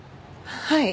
はい。